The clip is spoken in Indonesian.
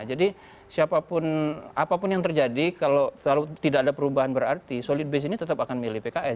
jadi siapa pun apapun yang terjadi kalau tidak ada perubahan berarti solid base ini tetap akan milih pks